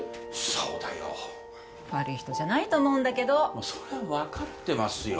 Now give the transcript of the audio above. そうだよ悪い人じゃないと思うんだけどそりゃ分かってますよ